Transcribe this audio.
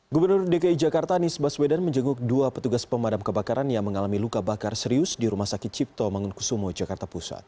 gubernur dki jakarta anies baswedan menjenguk dua petugas pemadam kebakaran yang mengalami luka bakar serius di rumah sakit cipto mangunkusumo jakarta pusat